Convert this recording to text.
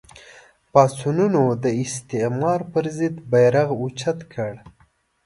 پاڅونونو د استعمار پر ضد بېرغ اوچت کړ